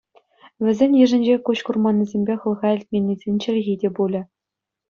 Вӗсен йышӗнче куҫ курманнисемпе хӑлха илтменнисен чӗлхи те пулӗ.